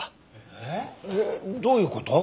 えっどういう事？